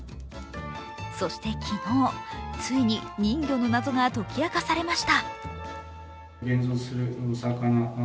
そして昨日、ついに人魚の謎が解き明かされました。